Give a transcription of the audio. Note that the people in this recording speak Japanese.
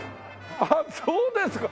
あっそうですか。